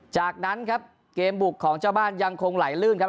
จากนั้นครับเกมบุกของเจ้าบ้านยังคงไหลลื่นครับ